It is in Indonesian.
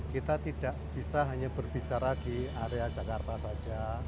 kita tidak bisa hanya berbicara di area jakarta saja